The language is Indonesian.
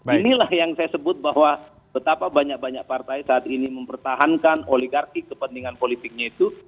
inilah yang saya sebut bahwa betapa banyak banyak partai saat ini mempertahankan oligarki kepentingan politiknya itu